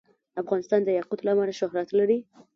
افغانستان د یاقوت له امله شهرت لري.